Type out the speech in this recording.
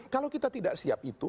kalau kita tidak siap itu